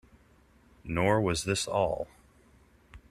Nor was this all.